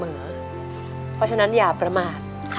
เพราะฉะนั้นอย่าประมาท